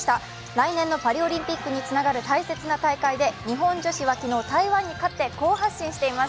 来年のパリオリンピックにつながる大切な大会で、日本女子は昨日、台湾に勝って好発進しています。